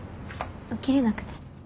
起きれなくて。